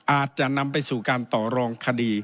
อาจจะนำไปสู่การต่อรองคดี